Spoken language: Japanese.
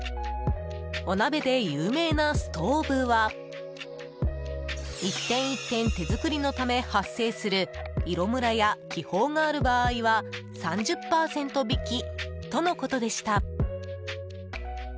お鍋で有名なストウブは１点１点手作りのため発生する色むらや気泡がある場合は３０％引きとのことでした。